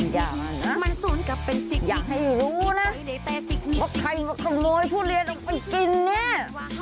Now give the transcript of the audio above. อย่ามาน่ะอย่าให้รู้นะว่าใครมาขโมยพุทธเรียนออกไปกินนี่